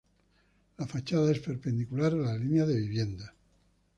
La fachada es perpendicular a la línea de viviendas.